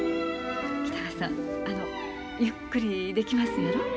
北川さんあのゆっくりできますやろ？